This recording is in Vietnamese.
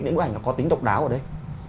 những bức ảnh có tính độc đáo ở đây